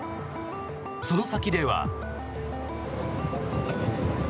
その先では。